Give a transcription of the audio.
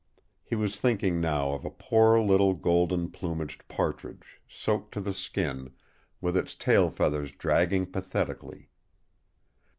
He was thinking now of a poor little golden plumaged partridge, soaked to the skin, with its tail feathers dragging pathetically.